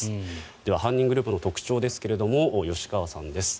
では、犯人グループの特徴ですが吉川さんです。